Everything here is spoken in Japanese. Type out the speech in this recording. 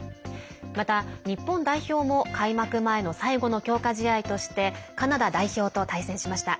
また、日本代表も開幕前の最後の強化試合としてカナダ代表と対戦しました。